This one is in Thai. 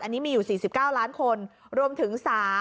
อันนี้มีอยู่๔๙ล้านคนรวมถึง๓